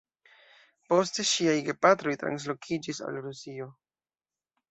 Poste ŝiaj gepatroj translokiĝis al Rusio.